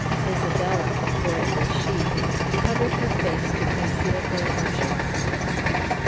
Isabella, for it was she, covered her face to conceal her emotions.